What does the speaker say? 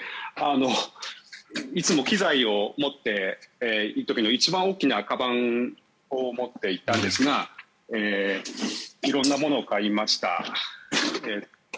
いつも機材を持っている時の一番大きなかばんを持って行ったんですが色んなものを買いました。